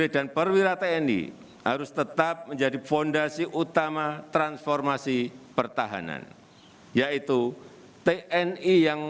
dan perwira tni harus tetap menjadi fondasi utama transformasi pertahanan yaitu tni yang